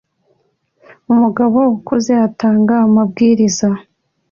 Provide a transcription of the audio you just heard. Umugabo ukuze atanga amabwiriza